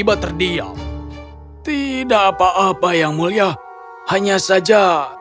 kembali ke kerajaan kita dan kita akan menjaga kembali ke kerajaan kita dan kita akan menjaga